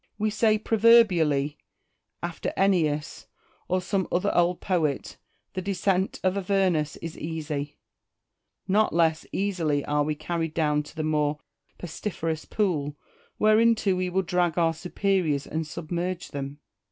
We say proverbially, after Ennius or some other old poet, the descent to Avernus is easy : not less easily are we carried down to the more pestiferous pool whereinto we would drag our superiors and submerge them.